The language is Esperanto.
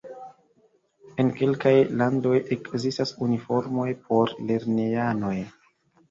En kelkaj landoj ekzistas uniformoj por lernejanoj.